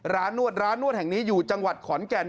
นวดร้านนวดแห่งนี้อยู่จังหวัดขอนแก่น